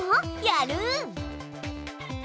やる！